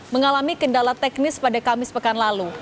mengalami kendala teknis pada kamis pekan lalu